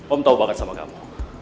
om tau banget sama kamu